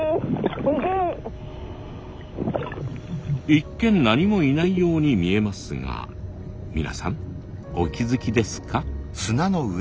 一見何もいないように見えますが皆さんお気付きですか？